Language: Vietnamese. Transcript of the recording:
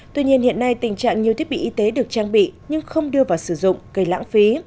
tuy nhiên hiện nay tình trạng nhiều thiết bị y tế được trang bị nhưng không đưa vào sử dụng gây lãng phí